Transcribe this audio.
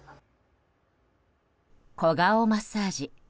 小顔マッサージ。